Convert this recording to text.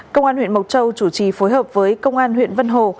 công an huyện mộc châu chủ trì phối hợp với công an huyện vân hồ